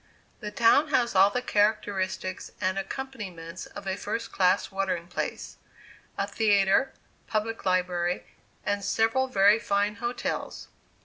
The town has all the characteristics and accompaniments of a first class watering place, a theatre, public library, and several very fine hotels.